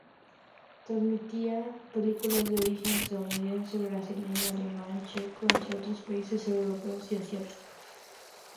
Transmitía películas de origen estadounidense, brasileño, alemán, checo, entre otros países europeos y asiáticos.